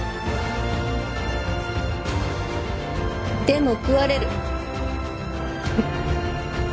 でも食われる